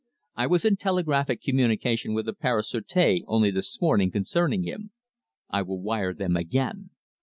I was in telegraphic communication with the Paris Sûreté only this morning concerning him. I will wire them again.